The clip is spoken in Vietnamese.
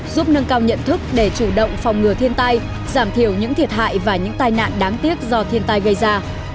giúp nâng cao nhận thức để chủ động phòng ngừa thiên tai giảm thiểu những thiệt hại và những tai nạn đáng tiếc do thiên tai gây ra